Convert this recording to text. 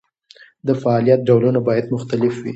د فعالیت ډولونه باید مختلف وي.